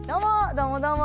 どうもどうも。